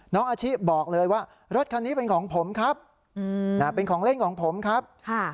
น้องอาชิบอกเลยว่ารถคันนี้เป็นของผมครับเป็นของเล่นของผมครับ